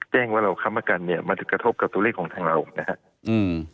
แจ้งว่าเราค้ำประกันเนี่ยมันจะกระทบกับตัวเลขของทางเรานะครับอืม